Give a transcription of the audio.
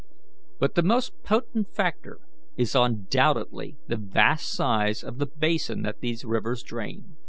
But the most potent factor is undoubtedly the vast size of the basin that these rivers drain."